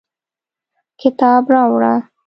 کتاب راوړه